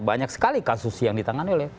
banyak sekali kasus yang ditangani oleh